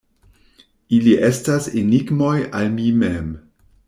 Ili estas enigmoj al mi mem.